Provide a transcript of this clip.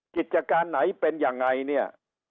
กิจการไหนเป็นยังไงเนี่ย